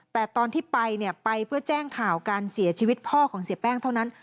แต่ตอนที่ไปเนี่ยไปเพื่อแจ้งข่าวการเสียชีวิตพ่อของเสียแป้งเท่านั้น